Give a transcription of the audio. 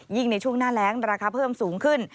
ในช่วงหน้าแรงราคาเพิ่มสูงขึ้น